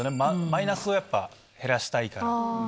マイナスをやっぱ減らしたいから。